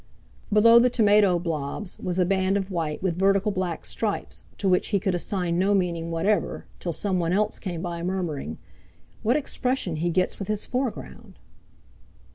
Below the tomato blobs was a band of white with vertical black stripes, to which he could assign no meaning whatever, till some one else came by, murmuring: "What expression he gets with his foreground!"